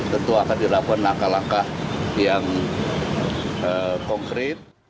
tentu akan dilakukan laka laka yang konkret